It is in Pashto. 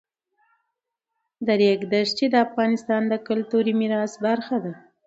د ریګ دښتې د افغانستان د کلتوري میراث برخه ده.